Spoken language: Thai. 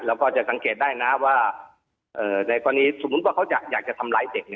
แล้วก็จะสังเกตได้นะว่าในตอนนี้สมมุติว่าเขาอยากจะทำลายเด็กเนี่ย